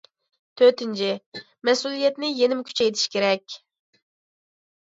تۆتىنچى، مەسئۇلىيەتنى يەنىمۇ كۈچەيتىش كېرەك.